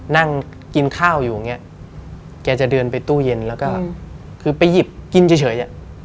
นั่งกินข้าวอยู่อย่างเงี้ยแกจะเดินไปตู้เย็นแล้วก็คือไปหยิบกินเฉยอ่ะ